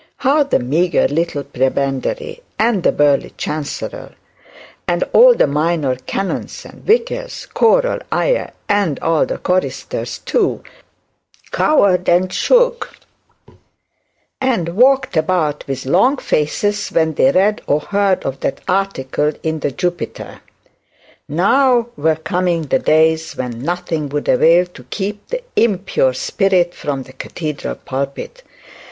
How the meagre little prebendary, and the burly chancellor, and all the minor canons and vicars choral, ay, and all the choristers too, cowered and shook and walked about with long faces when they read or heard of that article of the Jupiter. Now were coming the days when nothing would avail to keep the impure spirit from the cathedral pulpit.